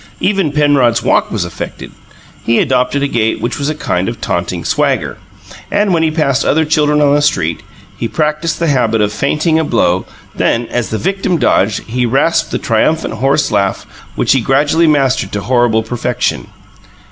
Even Penrod's walk was affected; he adopted a gait which was a kind of taunting swagger; and, when he passed other children on the street, he practised the habit of feinting a blow; then, as the victim dodged, he rasped the triumphant horse laugh which he gradually mastered to horrible perfection.